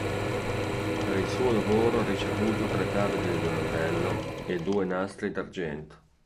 Per il suo lavoro ha ricevuto tre David di Donatello e due Nastri d'argento.